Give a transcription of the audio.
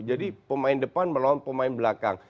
jadi pemain depan melawan pemain belakang